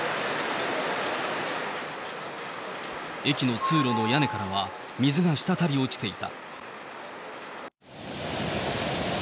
駅の通路の屋根からは水がしたたり落ちていた。